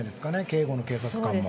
警護の警察官も。